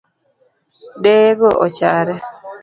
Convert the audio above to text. Deye go ochare